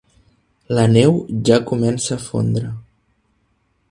La neu ja comença a fondre.